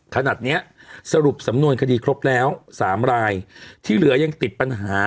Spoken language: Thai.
ขนาดเนี้ยสรุปสำนวนคดีครบแล้ว๓รายที่เหลือยังติดปัญหา